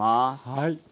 はい。